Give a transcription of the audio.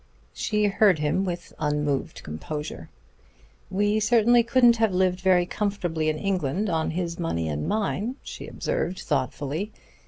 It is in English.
She heard him with unmoved composure. "We certainly couldn't have lived very comfortably in England on his money and mine," she observed thoughtfully.